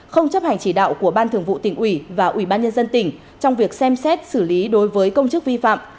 không chấp hành chỉ đạo của ban thường vụ tỉnh ủy và ủy ban nhân dân tỉnh trong việc xem xét xử lý đối với công chức vi phạm